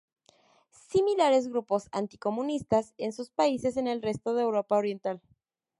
Similares grupos anticomunistas en sus países en el resto de Europa oriental.